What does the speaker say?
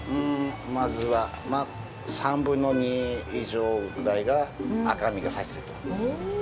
まずは、３分の２以上ぐらいが赤身が差してる。